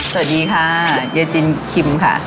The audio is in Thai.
สวัสดีค่ะเยจินคิมค่ะ